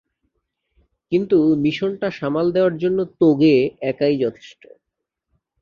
কিন্তু, মিশনটা সামাল দেয়ার জন্য তোগে একাই যথেষ্ট।